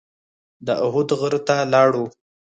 د احد غره ته لاړو.